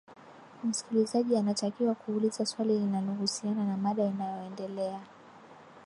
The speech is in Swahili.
msikilizaji anatakiwa kuuliza swali linalohusiana na mada inayoendelea